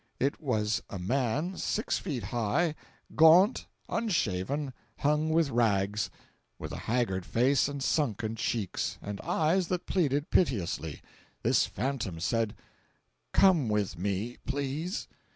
It was a man six feet high, gaunt, unshaven, hung with rags; with a haggard face and sunken cheeks, and eyes that pleaded piteously. This phantom said: "Come with me—please."